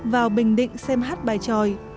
vào bình định xem hát bài tròi